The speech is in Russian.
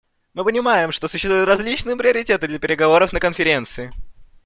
Мы понимаем, что существуют различные приоритеты для переговоров на Конференции.